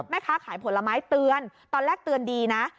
แม่ค้าขายผลไม้เตือนตอนแรกเตือนดีนะ